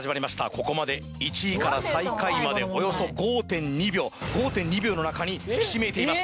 ここまで１位から最下位までおよそ５．２秒５．２秒の中にひしめいています。